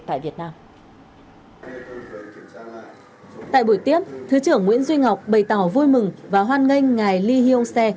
tại buổi tiếp thứ trưởng nguyễn duy ngọc bày tỏ vui mừng và hoan nghênh ngài lee hyung si